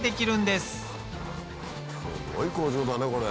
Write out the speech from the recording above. すごい工場だねこれ。